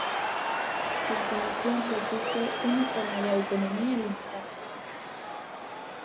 La comisión propuso una forma de autonomía limitada.